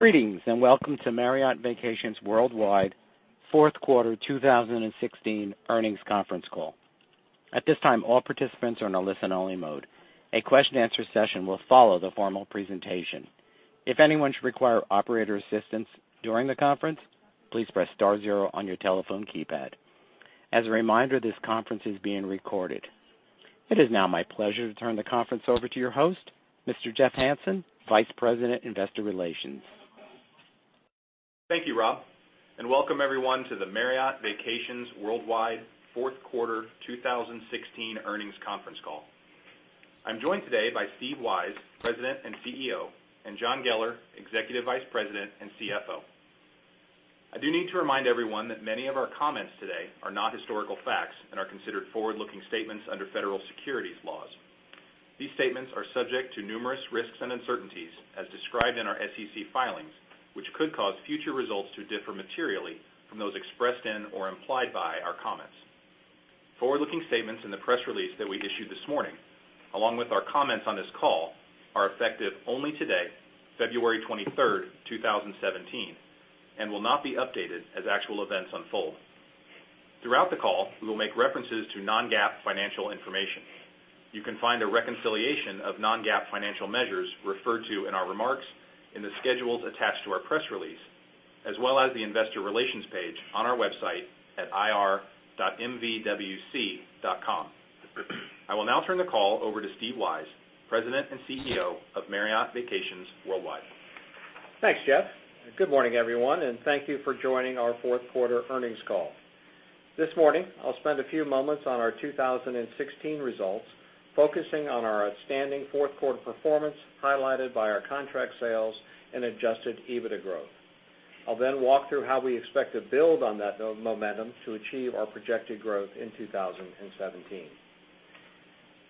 Greetings. Welcome to Marriott Vacations Worldwide fourth quarter 2016 earnings conference call. At this time, all participants are in a listen-only mode. A question and answer session will follow the formal presentation. If anyone should require operator assistance during the conference, please press star zero on your telephone keypad. As a reminder, this conference is being recorded. It is now my pleasure to turn the conference over to your host, Mr. Jeff Hansen, Vice President, Investor Relations. Thank you, Rob. Welcome everyone to the Marriott Vacations Worldwide fourth quarter 2016 earnings conference call. I'm joined today by Steve Weisz, President and CEO, and John Geller, Executive Vice President and CFO. I do need to remind everyone that many of our comments today are not historical facts and are considered forward-looking statements under federal securities laws. These statements are subject to numerous risks and uncertainties, as described in our SEC filings, which could cause future results to differ materially from those expressed in or implied by our comments. Forward-looking statements in the press release that we issued this morning, along with our comments on this call, are effective only today, February 23rd, 2017, and will not be updated as actual events unfold. Throughout the call, we will make references to non-GAAP financial information. You can find a reconciliation of non-GAAP financial measures referred to in our remarks in the schedules attached to our press release, as well as the investor relations page on our website at ir.mvwc.com. I will now turn the call over to Steve Weisz, President and CEO of Marriott Vacations Worldwide. Thanks, Jeff. Good morning, everyone. Thank you for joining our fourth quarter earnings call. This morning, I'll spend a few moments on our 2016 results, focusing on our outstanding fourth quarter performance, highlighted by our contract sales and adjusted EBITDA growth. I'll walk through how we expect to build on that momentum to achieve our projected growth in 2017.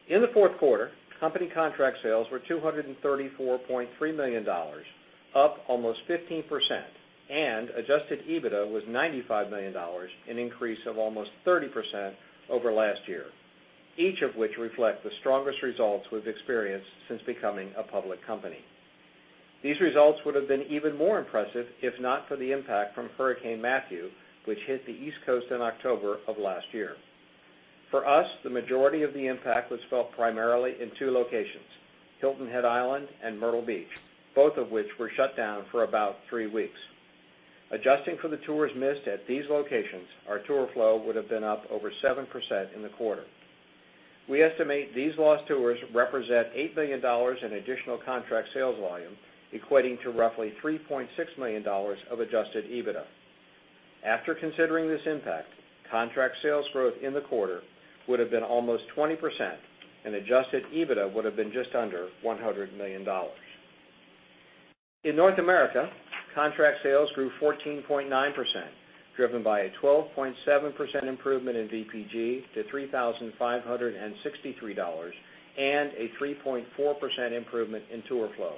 In the fourth quarter, company contract sales were $234.3 million, up almost 15%, and adjusted EBITDA was $95 million, an increase of almost 30% over last year, each of which reflect the strongest results we've experienced since becoming a public company. These results would have been even more impressive if not for the impact from Hurricane Matthew, which hit the East Coast in October of last year. For us, the majority of the impact was felt primarily in two locations, Hilton Head Island and Myrtle Beach, both of which were shut down for about three weeks. Adjusting for the tours missed at these locations, our tour flow would have been up over 7% in the quarter. We estimate these lost tours represent $8 million in additional contract sales volume, equating to roughly $3.6 million of adjusted EBITDA. After considering this impact, contract sales growth in the quarter would have been almost 20%, and adjusted EBITDA would have been just under $100 million. In North America, contract sales grew 14.9%, driven by a 12.7% improvement in VPG to $3,563 and a 3.4% improvement in tour flow.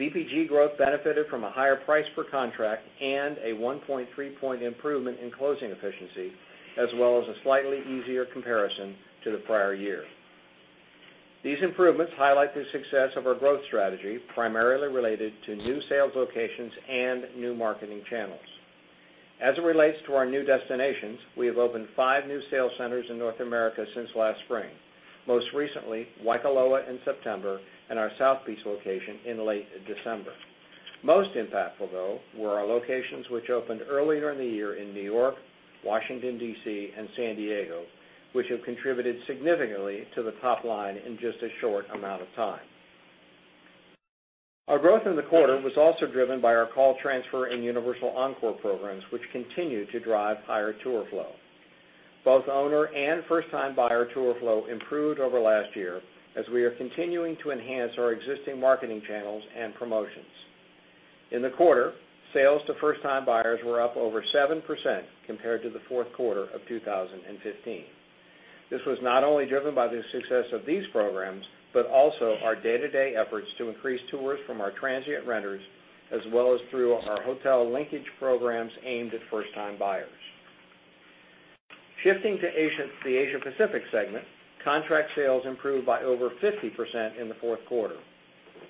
VPG growth benefited from a higher price per contract and a 1.3-point improvement in closing efficiency, as well as a slightly easier comparison to the prior year. These improvements highlight the success of our growth strategy, primarily related to new sales locations and new marketing channels. As it relates to our new destinations, we have opened five new sales centers in North America since last spring, most recently Waikoloa in September and our South Beach location in late December. Most impactful, though, were our locations which opened earlier in the year in New York, Washington, D.C., and San Diego, which have contributed significantly to the top line in just a short amount of time. Our growth in the quarter was also driven by our call transfer and universal Encore programs, which continue to drive higher tour flow. Both owner and first-time buyer tour flow improved over last year as we are continuing to enhance our existing marketing channels and promotions. In the quarter, sales to first-time buyers were up over 7% compared to the fourth quarter of 2015. This was not only driven by the success of these programs, but also our day-to-day efforts to increase tours from our transient renters, as well as through our hotel linkage programs aimed at first-time buyers. Shifting to the Asia-Pacific segment, contract sales improved by over 50% in the fourth quarter.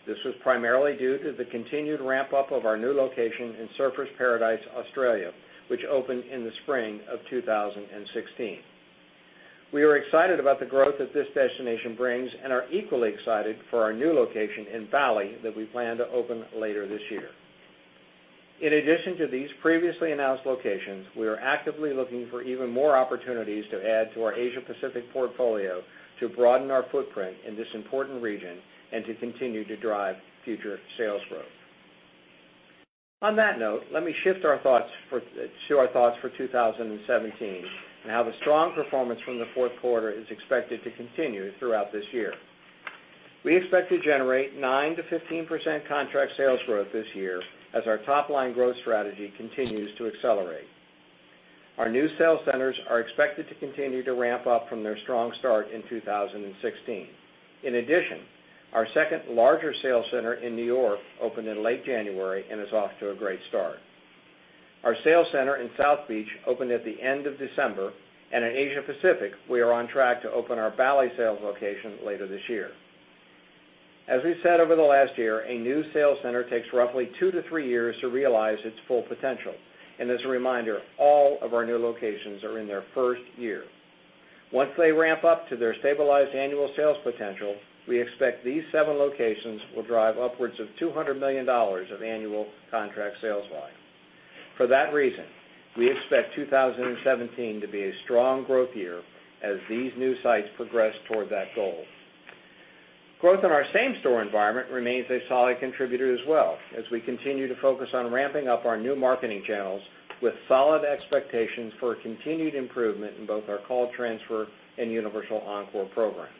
This was primarily due to the continued ramp-up of our new location in Surfers Paradise, Australia, which opened in the spring of 2016. We are excited about the growth that this destination brings and are equally excited for our new location in Bali that we plan to open later this year. In addition to these previously announced locations, we are actively looking for even more opportunities to add to our Asia-Pacific portfolio to broaden our footprint in this important region and to continue to drive future sales growth. On that note, let me shift to our thoughts for 2017 and how the strong performance from the fourth quarter is expected to continue throughout this year. We expect to generate 9%-15% contract sales growth this year as our top-line growth strategy continues to accelerate. Our new sales centers are expected to continue to ramp up from their strong start in 2016. In addition, our second larger sales center in New York opened in late January and is off to a great start. Our sales center in South Beach opened at the end of December. In Asia Pacific, we are on track to open our Bali sales location later this year. As we said over the last year, a new sales center takes roughly two to three years to realize its full potential. As a reminder, all of our new locations are in their first year. Once they ramp up to their stabilized annual sales potential, we expect these seven locations will drive upwards of $200 million of annual contract sales volume. For that reason, we expect 2017 to be a strong growth year as these new sites progress toward that goal. Growth in our same-store environment remains a solid contributor as well, as we continue to focus on ramping up our new marketing channels with solid expectations for a continued improvement in both our call transfer and Universal Encore programs.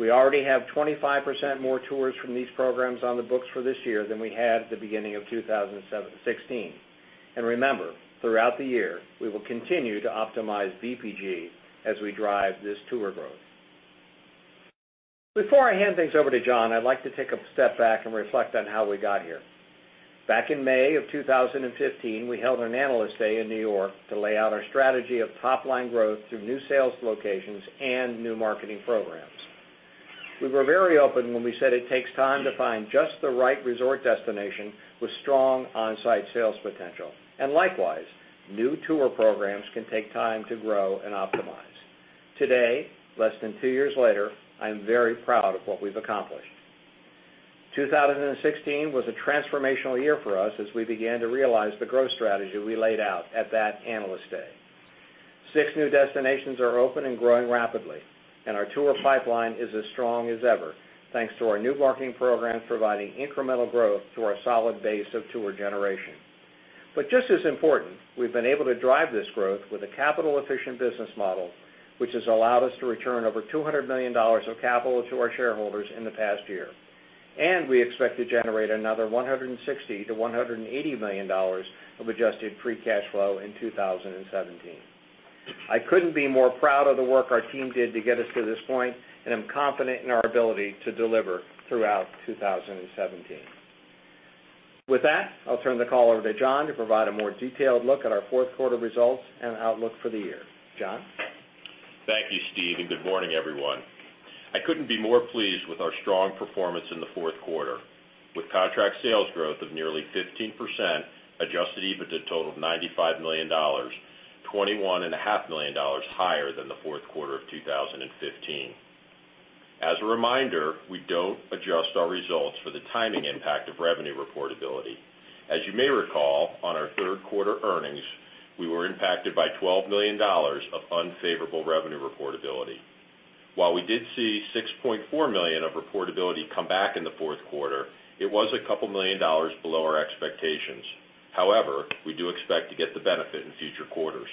We already have 25% more tours from these programs on the books for this year than we had at the beginning of 2016. Remember, throughout the year, we will continue to optimize VPG as we drive this tour growth. Before I hand things over to John, I'd like to take a step back and reflect on how we got here. Back in May of 2015, we held an Analyst Day in New York to lay out our strategy of top-line growth through new sales locations and new marketing programs. We were very open when we said it takes time to find just the right resort destination with strong on-site sales potential, and likewise, new tour programs can take time to grow and optimize. Today, less than two years later, I am very proud of what we've accomplished. 2016 was a transformational year for us as we began to realize the growth strategy we laid out at that Analyst Day. Six new destinations are open and growing rapidly, and our tour pipeline is as strong as ever, thanks to our new marketing programs providing incremental growth to our solid base of tour generation. Just as important, we've been able to drive this growth with a capital-efficient business model, which has allowed us to return over $200 million of capital to our shareholders in the past year. We expect to generate another $160 million-$180 million of adjusted free cash flow in 2017. I couldn't be more proud of the work our team did to get us to this point, and I'm confident in our ability to deliver throughout 2017. With that, I'll turn the call over to John to provide a more detailed look at our fourth quarter results and outlook for the year. John? Thank you, Steve, and good morning, everyone. I couldn't be more pleased with our strong performance in the fourth quarter. With contract sales growth of nearly 15%, adjusted EBITDA totaled $95 million, $21.5 million higher than the fourth quarter of 2015. As a reminder, we don't adjust our results for the timing impact of revenue reportability. As you may recall, on our third quarter earnings, we were impacted by $12 million of unfavorable revenue reportability. While we did see $6.4 million of reportability come back in the fourth quarter, it was a couple million dollars below our expectations. We do expect to get the benefit in future quarters.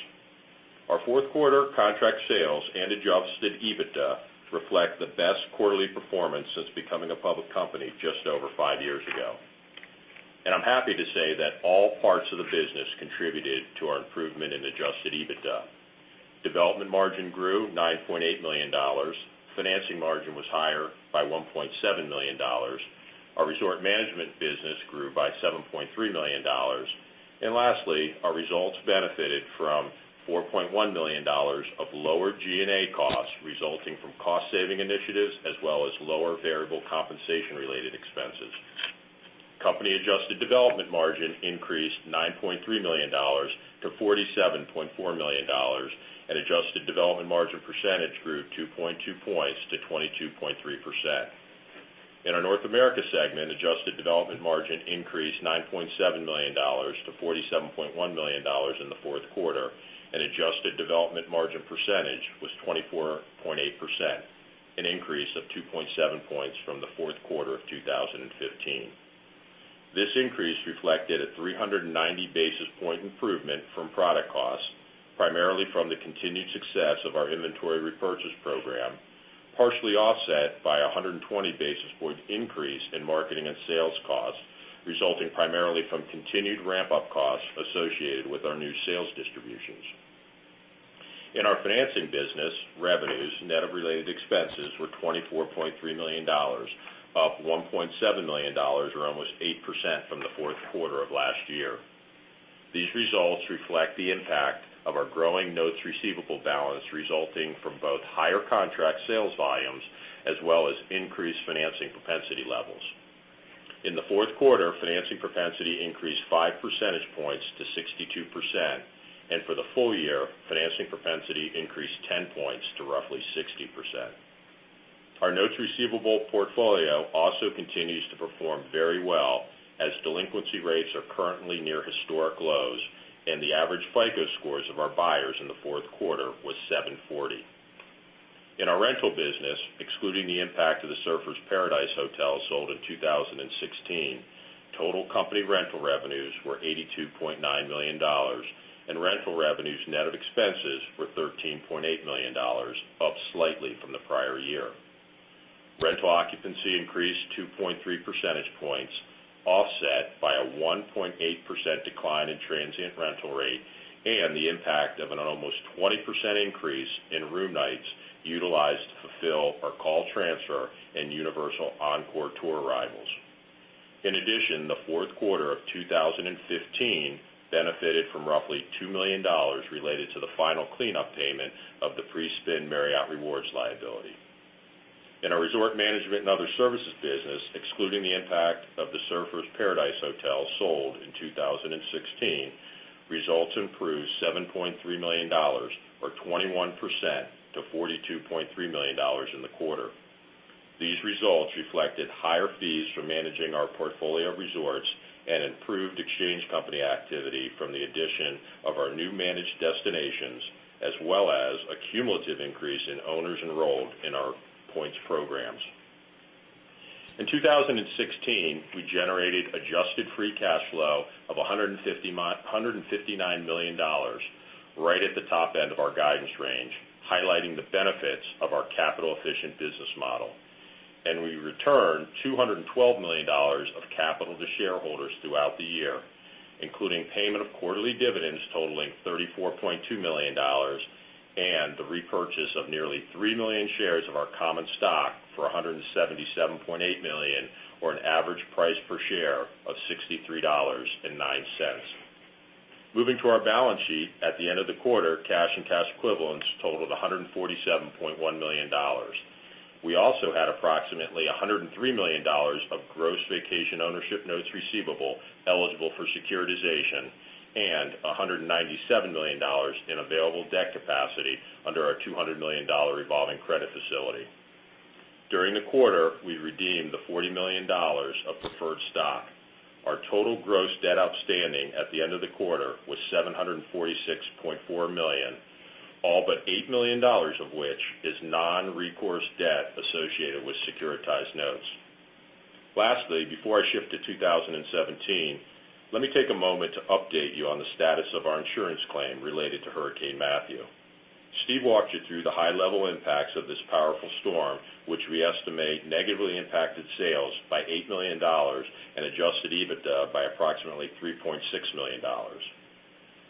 Our fourth quarter contract sales and adjusted EBITDA reflect the best quarterly performance since becoming a public company just over five years ago. I'm happy to say that all parts of the business contributed to our improvement in adjusted EBITDA. Development margin grew $9.8 million, financing margin was higher by $1.7 million, our resort management business grew by $7.3 million. Lastly, our results benefited from $4.1 million of lower G&A costs resulting from cost-saving initiatives as well as lower variable compensation-related expenses. Company adjusted development margin increased $9.3 million to $47.4 million, adjusted development margin percentage grew 2.2 points to 22.3%. In our North America segment, adjusted development margin increased $9.7 million to $47.1 million in the fourth quarter, adjusted development margin percentage was 24.8%, an increase of 2.7 points from the fourth quarter of 2015. This increase reflected a 390-basis point improvement from product costs, primarily from the continued success of our inventory repurchase program, partially offset by 120 basis points increase in marketing and sales costs, resulting primarily from continued ramp-up costs associated with our new sales distributions. In our financing business, revenues net of related expenses were $24.3 million, up $1.7 million, or almost 8% from the fourth quarter of last year. These results reflect the impact of our growing notes receivable balance resulting from both higher contract sales volumes as well as increased financing propensity levels. In the fourth quarter, financing propensity increased five percentage points to 62%. For the full year, financing propensity increased 10 points to roughly 60%. Our notes receivable portfolio also continues to perform very well as delinquency rates are currently near historic lows. The average FICO scores of our buyers in the fourth quarter was 740. In our rental business, excluding the impact of the Surfers Paradise Hotel sold in 2016, total company rental revenues were $82.9 million. Rental revenues net of expenses were $13.8 million, up slightly from the prior year. Rental occupancy increased 2.3 percentage points, offset by a 1.8% decline in transient rate and the impact of an almost 20% increase in room nights utilized to fulfill our call transfer and universal Encore tour arrivals. In addition, the fourth quarter of 2015 benefited from roughly $2 million related to the final cleanup payment of the pre-spin Marriott Rewards liability. In our resort management and other services business, excluding the impact of the Surfers Paradise Hotel sold in 2016, results improved $7.3 million or 21% to $42.3 million in the quarter. These results reflected higher fees for managing our portfolio of resorts and improved exchange company activity from the addition of our new managed destinations, as well as a cumulative increase in owners enrolled in our points programs. In 2016, we generated adjusted free cash flow of $159 million, right at the top end of our guidance range, highlighting the benefits of our capital-efficient business model. We returned $212 million of capital to shareholders throughout the year, including payment of quarterly dividends totaling $34.2 million, and the repurchase of nearly 3 million shares of our common stock for $177.8 million, or an average price per share of $63.09. Moving to our balance sheet, at the end of the quarter, cash and cash equivalents totaled $147.1 million. We also had approximately $103 million of gross vacation ownership notes receivable eligible for securitization and $197 million in available debt capacity under our $200 million revolving credit facility. During the quarter, we redeemed the $40 million of preferred stock. Before I shift to 2017, let me take a moment to update you on the status of our insurance claim related to Hurricane Matthew. Steve walked you through the high-level impacts of this powerful storm, which we estimate negatively impacted sales by $8 million and adjusted EBITDA by approximately $3.6 million.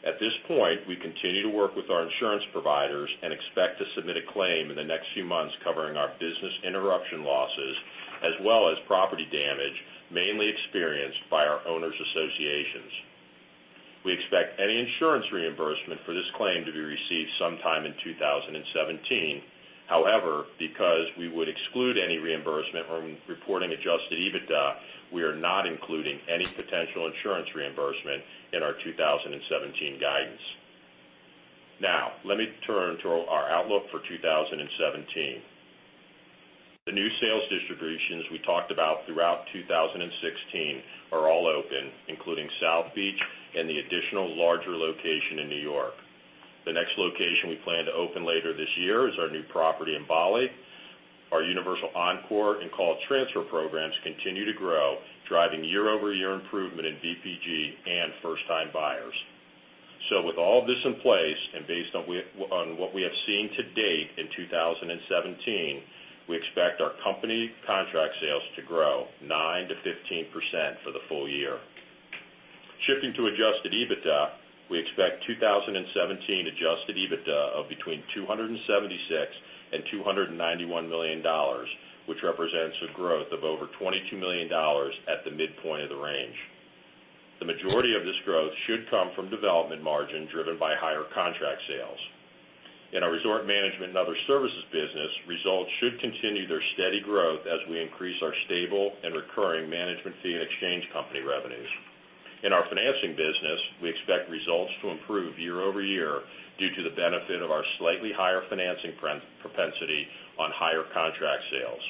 At this point, we continue to work with our insurance providers and expect to submit a claim in the next few months covering our business interruption losses as well as property damage mainly experienced by our owners' associations. We expect any insurance reimbursement for this claim to be received sometime in 2017. Because we would exclude any reimbursement from reporting adjusted EBITDA, we are not including any potential insurance reimbursement in our 2017 guidance. Let me turn to our outlook for 2017. The new sales distributions we talked about throughout 2016 are all open, including South Beach and the additional larger location in New York. The next location we plan to open later this year is our new property in Bali. Our universal Encore and call transfer programs continue to grow, driving year-over-year improvement in VPG and first-time buyers. With all this in place, and based on what we have seen to date in 2017, we expect our company contract sales to grow 9%-15% for the full year. Shifting to adjusted EBITDA, we expect 2017 adjusted EBITDA of between $276 million and $291 million, which represents a growth of over $22 million at the midpoint of the range. The majority of this growth should come from development margin driven by higher contract sales. In our resort management and other services business, results should continue their steady growth as we increase our stable and recurring management fee and exchange company revenues. In our financing business, we expect results to improve year-over-year due to the benefit of our slightly higher financing propensity on higher contract sales.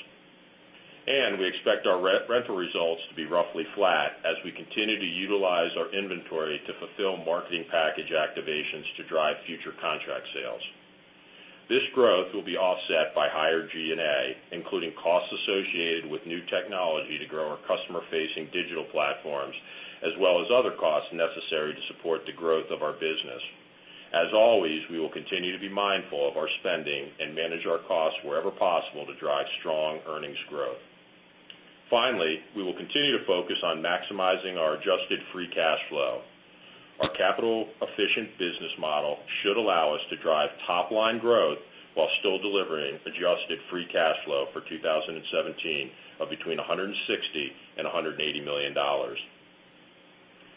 We expect our rental results to be roughly flat as we continue to utilize our inventory to fulfill marketing package activations to drive future contract sales. This growth will be offset by higher G&A, including costs associated with new technology to grow our customer-facing digital platforms, as well as other costs necessary to support the growth of our business. As always, we will continue to be mindful of our spending and manage our costs wherever possible to drive strong earnings growth. We will continue to focus on maximizing our adjusted free cash flow. Our capital-efficient business model should allow us to drive top-line growth while still delivering adjusted free cash flow for 2017 of between $160 million and $180 million.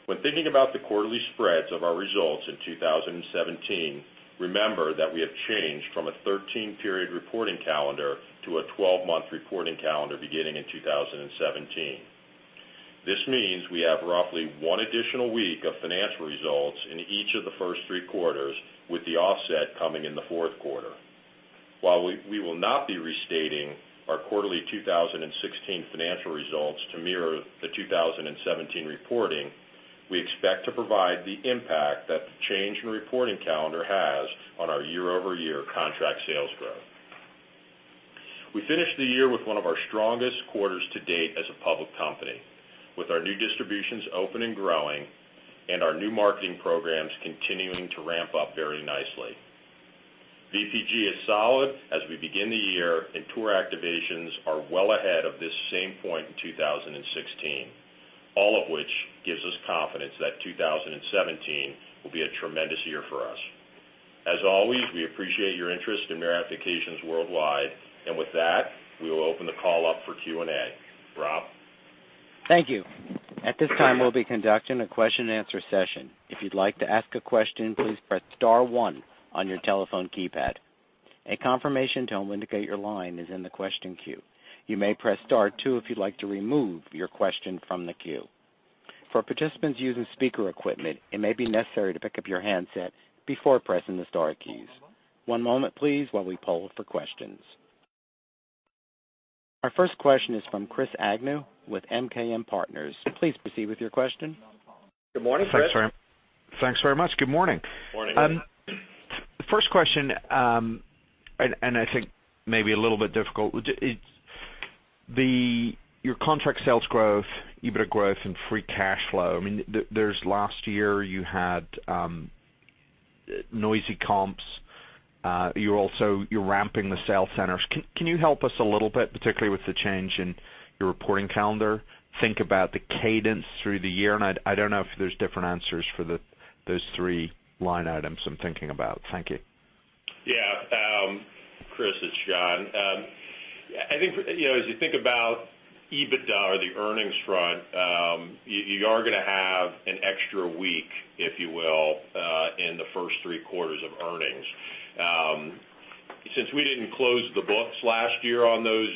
When thinking about the quarterly spreads of our results in 2017, remember that we have changed from a 13-period reporting calendar to a 12-month reporting calendar beginning in 2017. This means we have roughly one additional week of financial results in each of the first three quarters, with the offset coming in the fourth quarter. While we will not be restating our quarterly 2016 financial results to mirror the 2017 reporting, we expect to provide the impact that the change in reporting calendar has on our year-over-year contract sales growth. We finished the year with one of our strongest quarters to date as a public company, with our new distributions open and growing and our new marketing programs continuing to ramp up very nicely. VPG is solid as we begin the year, and tour activations are well ahead of this same point in 2016. All of which gives us confidence that 2017 will be a tremendous year for us. As always, we appreciate your interest in Marriott Vacations Worldwide. With that, we will open the call up for Q&A. Rob? Thank you. At this time, we will be conducting a question and answer session. If you would like to ask a question, please press star one on your telephone keypad. A confirmation tone will indicate your line is in the question queue. You may press star two if you would like to remove your question from the queue. For participants using speaker equipment, it may be necessary to pick up your handset before pressing the star keys. One moment please while we poll for questions. Our first question is from Chris Agnew with MKM Partners. Please proceed with your question. Good morning, Chris. Thanks very much. Good morning. Morning. First question, I think maybe a little bit difficult, your contract sales growth, EBITDA growth, free cash flow. Last year you had noisy comps. You're also ramping the sales centers. Can you help us a little bit, particularly with the change in your reporting calendar, think about the cadence through the year? I don't know if there's different answers for those three line items I'm thinking about. Thank you. Yeah. Chris, it's John. As you think about EBITDA or the earnings front, you are going to have an extra week, if you will, in the first three quarters of earnings. Since we didn't close the books last year on those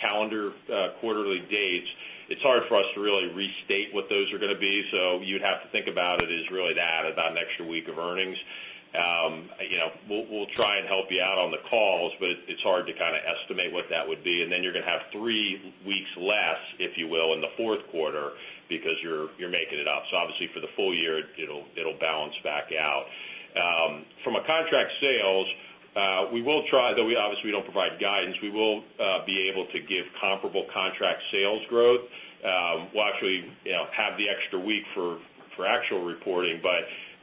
calendar quarterly dates, it's hard for us to really restate what those are going to be. You'd have to think about it as really to add about an extra week of earnings. We'll try and help you out on the calls, but it's hard to estimate what that would be. Then you're going to have three weeks less, if you will, in the fourth quarter because you're making it up. Obviously for the full year, it'll balance back out. From a contract sales, we will try, though we obviously don't provide guidance, we will be able to give comparable contract sales growth. We'll actually have the extra week for actual reporting,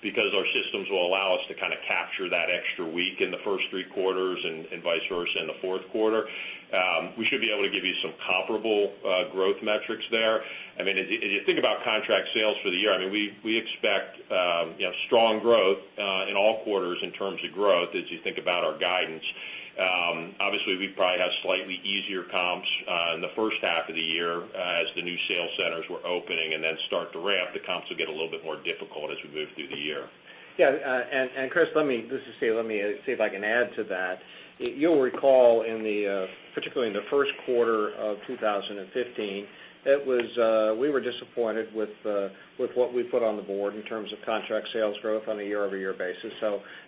because our systems will allow us to capture that extra week in the first three quarters and vice versa in the fourth quarter, we should be able to give you some comparable growth metrics there. If you think about contract sales for the year, we expect strong growth in all quarters in terms of growth as you think about our guidance. Obviously, we probably have slightly easier comps in the first half of the year as the new sales centers we're opening and then start to ramp, the comps will get a little bit more difficult as we move through the year. Chris, this is Steve. Let me see if I can add to that. You'll recall particularly in the first quarter of 2015, we were disappointed with what we put on the board in terms of contract sales growth on a year-over-year basis.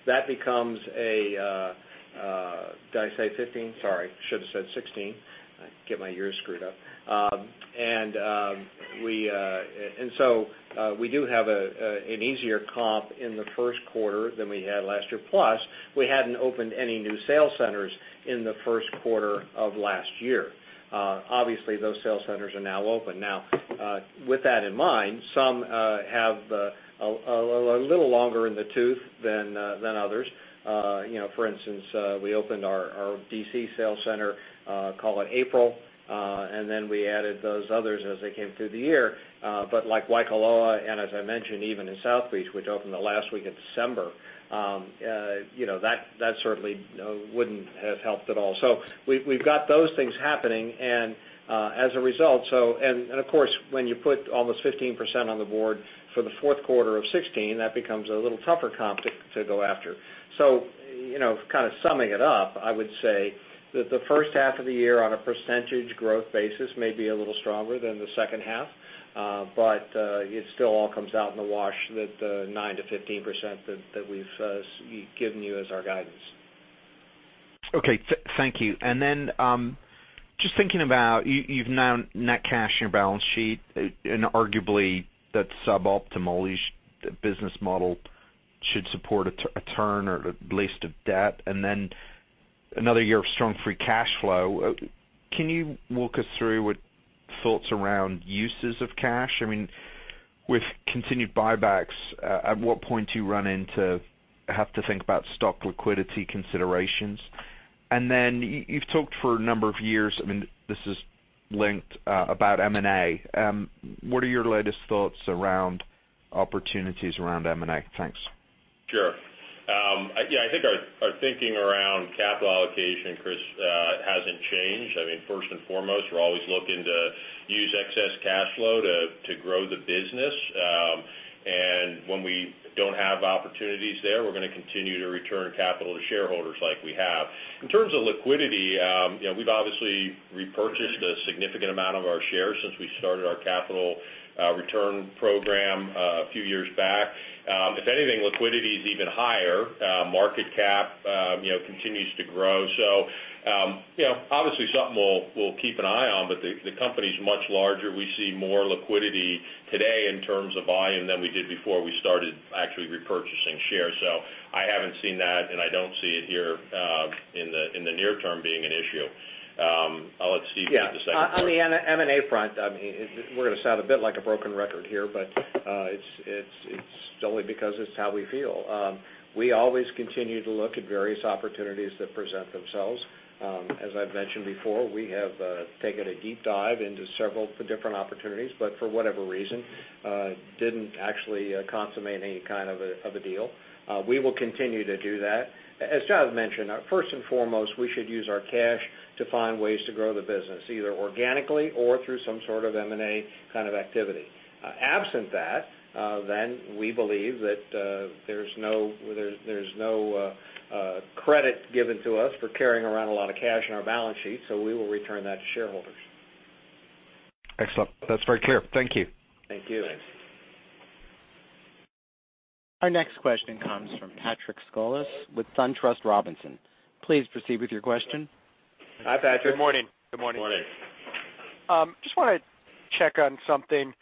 That becomes a Did I say 2015? Sorry, should have said 2016. I get my years screwed up. We do have an easier comp in the first quarter than we had last year, plus we hadn't opened any new sales centers in the first quarter of last year. Obviously, those sales centers are now open. With that in mind, some have a little longer in the tooth than others. For instance, we opened our D.C. sales center, call it April, and then we added those others as they came through the year. Like Waikoloa, as I mentioned, even in South Beach, which opened the last week of December, that certainly wouldn't have helped at all. We've got those things happening. Of course, when you put almost 15% on the board for the fourth quarter of 2016, that becomes a little tougher comp to go after. Summing it up, I would say that the first half of the year on a percentage growth basis may be a little stronger than the second half. It still all comes out in the wash that the 9%-15% that we've given you as our guidance. Okay, thank you. Then, just thinking about you've now net cash in your balance sheet, arguably that's suboptimal. Each business model should support a turn or at least of debt, then another year of strong free cash flow. Can you walk us through what thoughts around uses of cash? With continued buybacks, at what point do you run into have to think about stock liquidity considerations? You've talked for a number of years, this is linked, about M&A. What are your latest thoughts around opportunities around M&A? Thanks. Sure. I think our thinking around capital allocation, Chris, hasn't changed. First and foremost, we're always looking to use excess cash flow to grow the business. When we don't have opportunities there, we're going to continue to return capital to shareholders like we have. In terms of liquidity, we've obviously repurchased a significant amount of our shares since we started our capital return program a few years back. If anything, liquidity is even higher. Market cap continues to grow. Obviously something we'll keep an eye on, but the company's much larger. We see more liquidity today in terms of volume than we did before we started actually repurchasing shares. I haven't seen that, and I don't see it here In the near term being an issue. I'll let Steve take the second part. Yeah. On the M&A front, we're going to sound a bit like a broken record here, but it's solely because it's how we feel. We always continue to look at various opportunities that present themselves. As I've mentioned before, we have taken a deep dive into several different opportunities, but for whatever reason, didn't actually consummate any kind of a deal. We will continue to do that. As John mentioned, first and foremost, we should use our cash to find ways to grow the business, either organically or through some sort of M&A kind of activity. Absent that, we believe that there's no credit given to us for carrying around a lot of cash on our balance sheet, so we will return that to shareholders. Excellent. That's very clear. Thank you. Thank you. Thanks. Our next question comes from Patrick Scholes with SunTrust Robinson. Please proceed with your question. Hi, Patrick. Good morning. Good morning. Just wanted to check on something.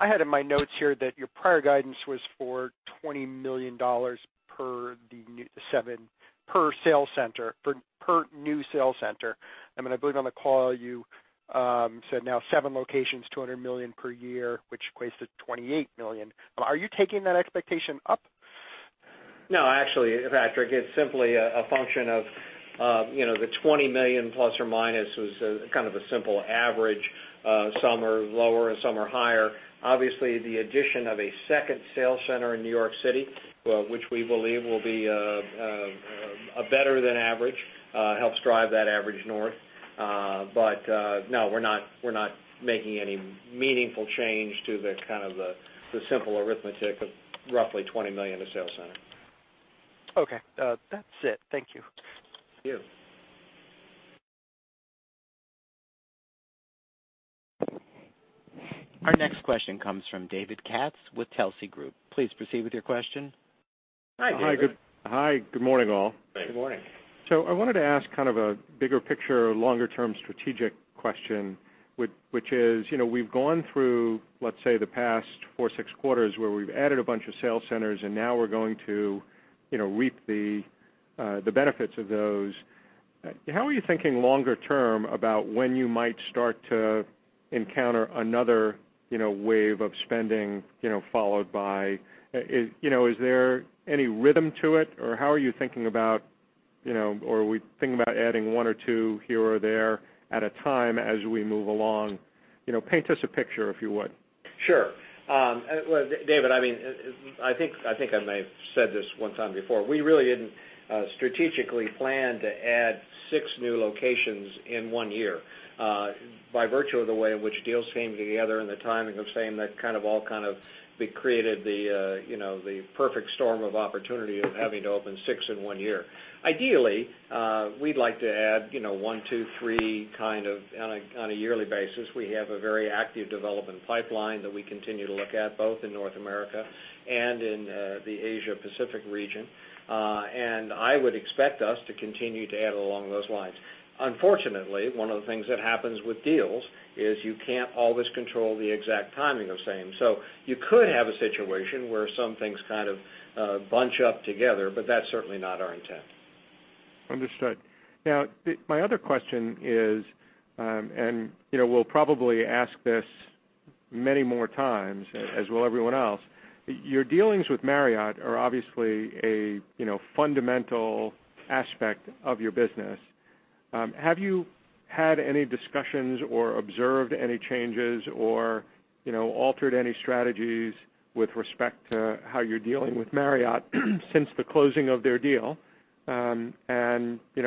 I had in my notes here that your prior guidance was for $20 million per sales center, per new sales center. I believe on the call you said now seven locations, $200 million per year, which equates to $28 million. Are you taking that expectation up? No, actually, Patrick, it's simply a function of the $20 million plus or minus was kind of a simple average. Some are lower and some are higher. Obviously, the addition of a second sales center in New York City, which we believe will be better than average, helps drive that average north. No, we're not making any meaningful change to the simple arithmetic of roughly $20 million a sales center. Okay. That's it. Thank you. Thank you. Our next question comes from David Katz with Telsey Advisory Group. Please proceed with your question. Hi, David. Hi. Good morning, all. Good morning. I wanted to ask kind of a bigger picture, longer-term strategic question, which is, we've gone through, let's say, the past four, six quarters, where we've added a bunch of sales centers, and now we're going to reap the benefits of those. How are you thinking longer term about when you might start to encounter another wave of spending? Is there any rhythm to it? Are we thinking about adding one or two here or there at a time as we move along? Paint us a picture, if you would. Sure. David, I think I may have said this one time before. We really didn't strategically plan to add 6 new locations in one year. By virtue of the way in which deals came together and the timing of saying that kind of all created the perfect storm of opportunity of having to open 6 in one year. Ideally, we'd like to add one, two, three on a yearly basis. We have a very active development pipeline that we continue to look at, both in North America and in the Asia-Pacific region. I would expect us to continue to add along those lines. Unfortunately, one of the things that happens with deals is you can't always control the exact timing of saying. You could have a situation where some things kind of bunch up together, but that's certainly not our intent. Understood. Now, my other question is, and we'll probably ask this many more times, as will everyone else, your dealings with Marriott are obviously a fundamental aspect of your business. Have you had any discussions or observed any changes or altered any strategies with respect to how you're dealing with Marriott since the closing of their deal?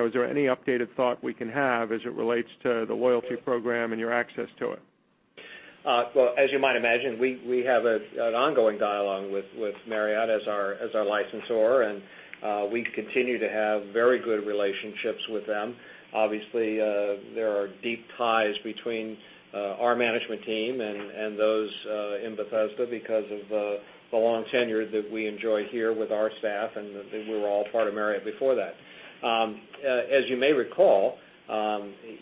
Is there any updated thought we can have as it relates to the loyalty program and your access to it? As you might imagine, we have an ongoing dialogue with Marriott as our licensor. We continue to have very good relationships with them. Obviously, there are deep ties between our management team and those in Bethesda because of the long tenure that we enjoy here with our staff, and we were all part of Marriott before that. As you may recall,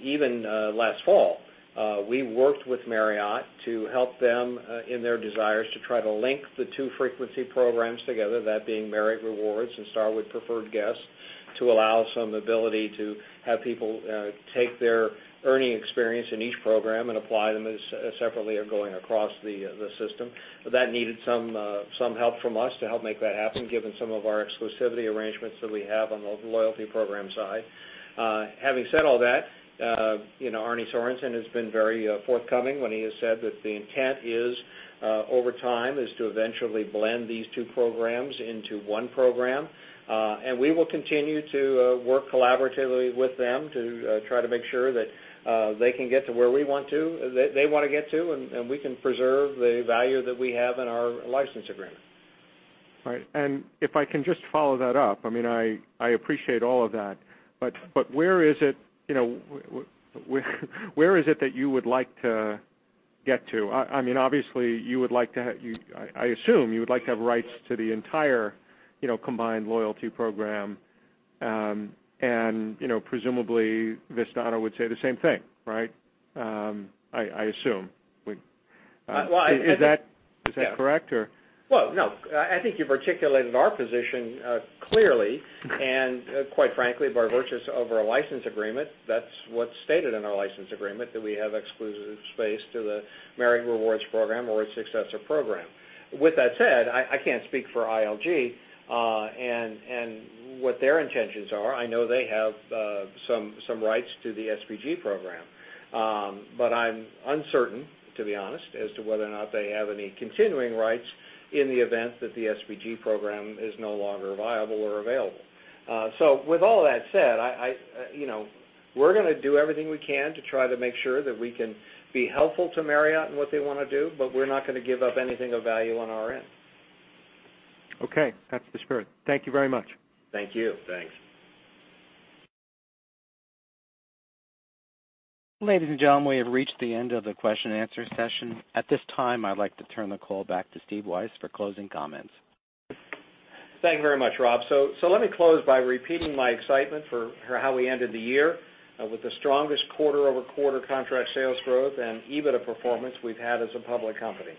even last fall, we worked with Marriott to help them in their desires to try to link the two frequency programs together, that being Marriott Rewards and Starwood Preferred Guest, to allow some ability to have people take their earning experience in each program and apply them separately or going across the system. That needed some help from us to help make that happen, given some of our exclusivity arrangements that we have on the loyalty program side. Having said all that, Arne Sorenson has been very forthcoming when he has said that the intent over time is to eventually blend these two programs into one program. We will continue to work collaboratively with them to try to make sure that they can get to where they want to get to, and we can preserve the value that we have in our license agreement. Right. If I can just follow that up, I appreciate all of that, where is it that you would like to get to? Obviously, I assume you would like to have rights to the entire combined loyalty program, and presumably, Vistana would say the same thing, right? I assume. Is that correct? Well, no. I think you've articulated our position clearly, quite frankly, by virtues of our license agreement, that's what's stated in our license agreement, that we have exclusive space to the Marriott Rewards program or its successor program. With that said, I can't speak for ILG and what their intentions are. I know they have some rights to the SPG program. I'm uncertain, to be honest, as to whether or not they have any continuing rights in the event that the SPG program is no longer viable or available. With all that said, we're going to do everything we can to try to make sure that we can be helpful to Marriott in what they want to do, but we're not going to give up anything of value on our end. Okay. That's the spirit. Thank you very much. Thank you. Thanks. Ladies and gentlemen, we have reached the end of the question and answer session. At this time, I'd like to turn the call back to Steve Weisz for closing comments. Thank you very much, Rob. Let me close by repeating my excitement for how we ended the year, with the strongest quarter-over-quarter contract sales growth and EBITDA performance we've had as a public company.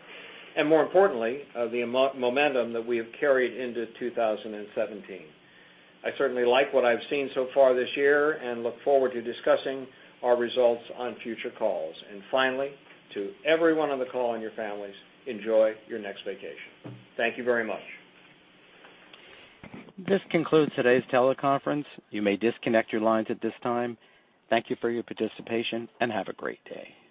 More importantly, the momentum that we have carried into 2017. I certainly like what I've seen so far this year and look forward to discussing our results on future calls. Finally, to everyone on the call and your families, enjoy your next vacation. Thank you very much. This concludes today's teleconference. You may disconnect your lines at this time. Thank you for your participation, and have a great day.